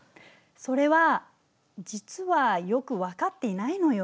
それは実はよく分かっていないのよ。